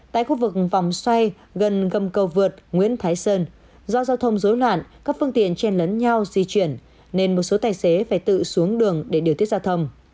tại khu vực vòng xoay gần gầm cầu vượt nguyễn thái sơn do giao thông dối loạn các phương tiện chen lấn nhau di chuyển nên một số tài xế phải tự xuống đường để điều tiết giao thông